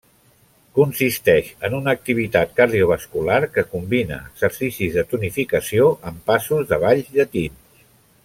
Consisteix en una activitat cardiovascular que combina exercicis de tonificació amb passos de balls llatins.